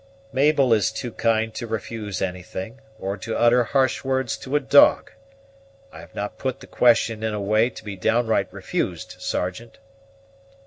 "Mabel is too kind to refuse anything, or to utter harsh words to a dog. I have not put the question in a way to be downright refused, Sergeant."